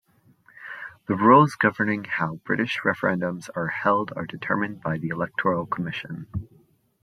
The rules governing how British referendums are held are determined by the Electoral Commission.